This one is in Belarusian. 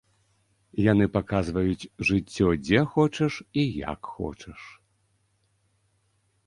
Яны паказваюць жыццё дзе хочаш і як хочаш.